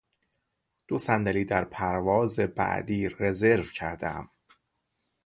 دو صندلی در پرواز بعدی رزرو کردهام.